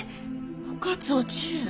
おかつおちえ。